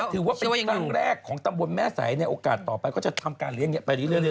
แต่ถือว่าเป็นตังค์แรกของตำบลแม่ไสในโอกาสต่อไปก็จะทำการเลี้ยงอย่างนี้ไปเรื่อย